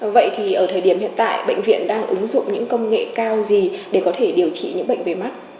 vậy thì ở thời điểm hiện tại bệnh viện đang ứng dụng những công nghệ cao gì để có thể điều trị những bệnh về mắt